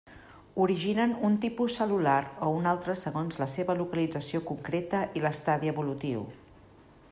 Originen un tipus cel·lular o un altre segons la seva localització concreta i l'estadi evolutiu.